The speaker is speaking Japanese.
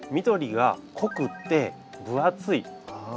緑が濃くって分厚い。